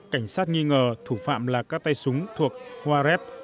cảnh sát nghi ngờ thủ phạm là các tay súng thuộc wares